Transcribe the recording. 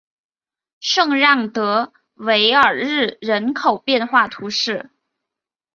圣让德韦尔日人口变化图示